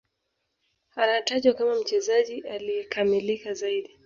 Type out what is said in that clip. Anatajwa kama mchezaji aliyekamilika zaidi